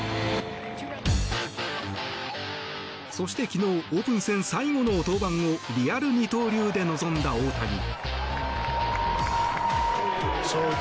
そして、昨日オープン戦最後の登板をリアル二刀流で臨んだ大谷。